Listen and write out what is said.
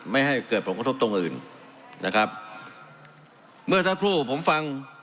เมื่อสักครู่ผมฟัง